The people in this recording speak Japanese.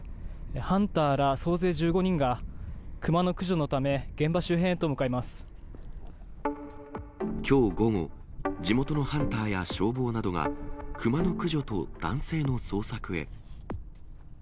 ハンターら総勢１５人が、クマの駆除のため、現場周辺へと向かいきょう午後、地元のハンターや消防などがクマの駆除と、男性の捜索へ。